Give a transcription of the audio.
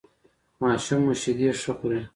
ماشوم مو شیدې ښه خوري؟